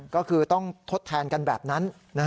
ก็คือต้องทดแทนกันแบบนั้น